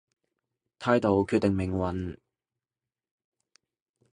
態度決定命運